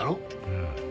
うん。